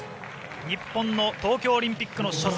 日本の東京オリンピックの初戦